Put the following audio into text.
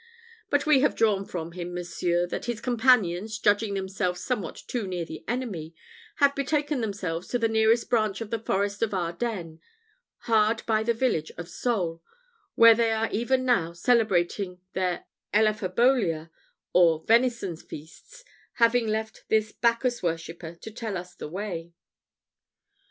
But we have drawn from him, monseigneur, that his companions, judging themselves somewhat too near the enemy, have betaken themselves to the nearest branch of the forest of Ardennes, hard by the village of Saule, where they are even now celebrating their elaphobolia, or venison feasts, having left this Bacchus worshipper to tell us the way."